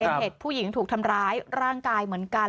เป็นเหตุผู้หญิงถูกทำร้ายร่างกายเหมือนกัน